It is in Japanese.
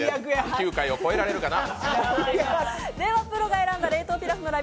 ９回を超えられるかな？